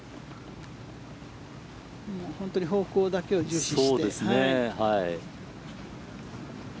本当に方向だけを重視して。